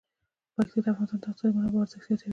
پکتیا د افغانستان د اقتصادي منابعو ارزښت زیاتوي.